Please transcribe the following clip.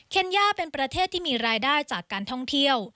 เคนย่าเป็นประเทศที่มีรายได้จากการท่องเที่ยว